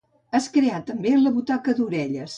Es creà també la butaca d'orelles.